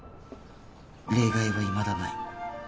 例外はいまだない